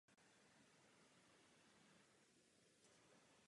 Bylo to jedno z nejslavnějších vítězství řeckých vojsk.